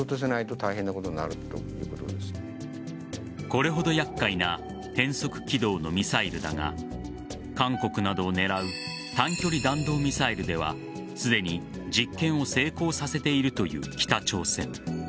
これほど厄介な変則軌道のミサイルだが韓国などを狙う短距離弾道ミサイルではすでに実験を成功させているという北朝鮮。